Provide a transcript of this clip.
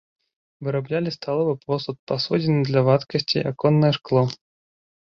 Выраблялі сталовы посуд, пасудзіны для вадкасцей, аконнае шкло.